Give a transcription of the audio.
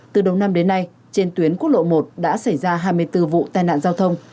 từ đầu năm đến nay trên tuyến quốc lộ một đã xảy ra hai mươi bốn vụ tai nạn giao thông